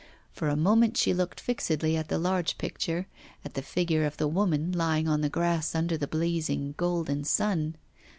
For a moment she looked fixedly at the large picture, at the figure of the woman lying on the grass under the blazing golden sun.